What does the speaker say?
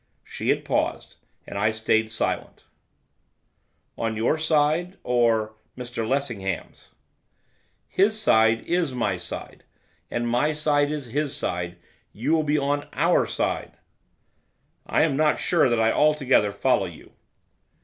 She had paused, and I stayed silent. 'On your side, or Mr Lessingham's?' 'His side is my side, and my side is his side; you will be on our side?' 'I am not sure that I altogether follow you.